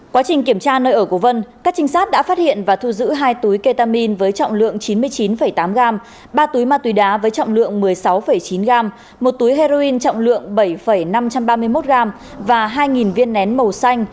quá trình kiểm tra nơi ở của vân các trinh sát đã phát hiện và thu giữ hai túi ketamin với trọng lượng chín mươi chín tám gram ba túi ma túy đá với trọng lượng một mươi sáu chín gram một túi heroin trọng lượng bảy năm trăm ba mươi một gram và hai viên nén màu xanh